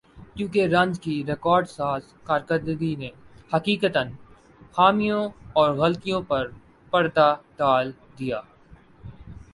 کیونکہ رنز کی ریکارڈ ساز کارکردگی نے حقیقتا خامیوں اور غلطیوں پر پردہ ڈال دیا